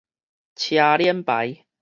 車輪牌